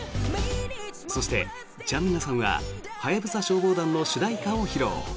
そして、ちゃんみなさんは「ハヤブサ消防団」の主題歌を披露。